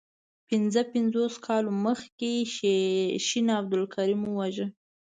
پنځه پنځوس کاله مخکي شین عبدالکریم وواژه.